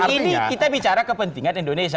ini kita bicara kepentingan indonesia